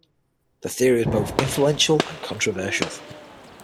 This theory was both influential and controversial.